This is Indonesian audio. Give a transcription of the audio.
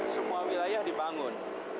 semua wilayah dibangun